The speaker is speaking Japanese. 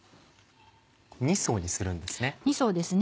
２層にするんですね。